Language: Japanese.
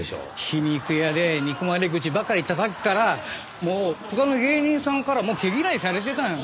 皮肉屋で憎まれ口ばかりたたくからもう他の芸人さんからも毛嫌いされてたのよ。